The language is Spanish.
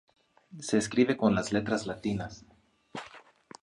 Se escribe con las letras latinas.